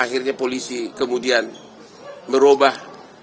akhirnya polisi kemudian merubah